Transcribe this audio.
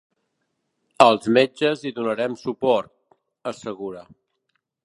“Els metges hi donarem suport”, assegura.